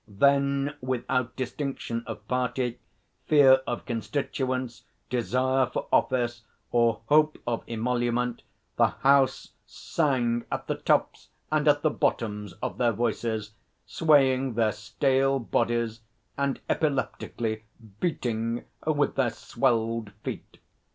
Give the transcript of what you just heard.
Then, without distinction of Party, fear of constituents, desire for office, or hope of emolument, the House sang at the tops and at the bottoms of their voices, swaying their stale bodies and epileptically beating with their swelled feet.